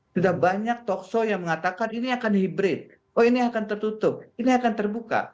sudah banyak talkshow yang mengatakan ini akan hibrid oh ini akan tertutup ini akan terbuka